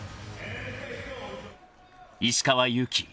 ［石川祐希